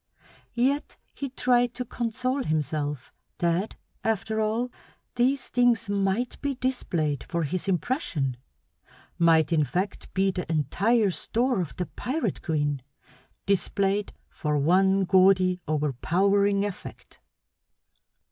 Yet he tried to console himself that after all these things might be displayed for his impression; might in fact be the entire store of the pirate queen, displayed for one gaudy, overpowering effect.